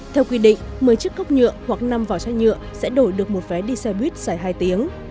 theo quy định một mươi chiếc cốc nhựa hoặc năm vỏ chai nhựa sẽ đổi được một vé đi xe buýt dài hai tiếng